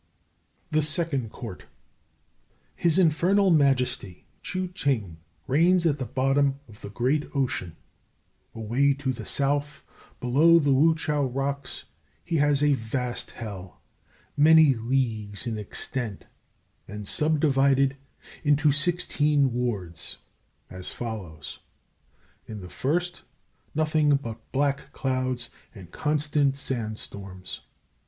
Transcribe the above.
THE SECOND COURT. His Infernal Majesty, Ch'u Ching, reigns at the bottom of the great Ocean. Away to the south, below the Wu chiao rocks, he has a vast hell, many leagues in extent, and subdivided into sixteen wards, as follows: In the first, nothing but black clouds and constant sand storms.